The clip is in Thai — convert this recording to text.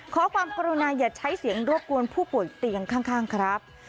ขอความกรุณาอย่าใช้เสียงรบกวนผู้ป่วยเตียงข้างครับ